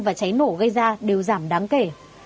và cháy nổ gây ra đều giảm đáng kể